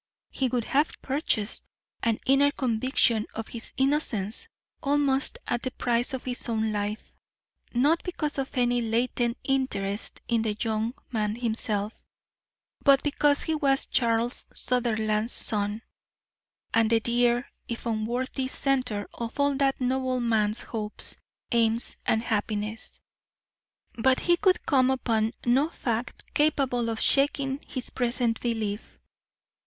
He would have purchased an inner conviction of his innocence almost at the price of his own life, not because of any latent interest in the young man himself, but because he was Charles Sutherland's son, and the dear, if unworthy, centre of all that noble man's hopes, aims, and happiness. But he could come upon no fact capable of shaking his present belief.